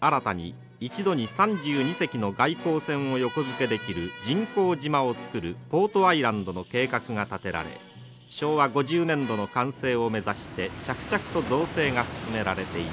新たに一度に３２隻の外航船を横付けできる人工島を造るポートアイランドの計画が立てられ昭和５０年度の完成を目指して着々と造成が進められています。